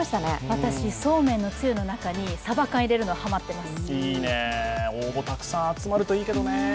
私、そうめんのつゆの中にさば缶入れるの、ハマってます。